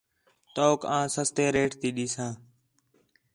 توک آں سستے ریٹ تی ݙیساں